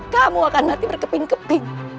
kamu akan mati berkepin kepin